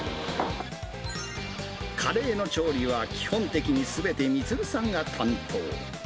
カレーの調理は基本的にすべて充さんが担当。